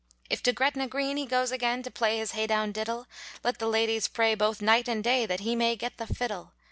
If to Gretna Green he goes again, To play his hey down diddle, Let the ladies pray both night and day, That he may get the fiddle!